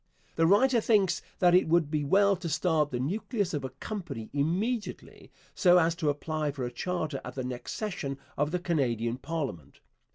The writer thinks that it would be well to start the nucleus of a company immediately so as to apply for a charter at the next session of the Canadian parliament.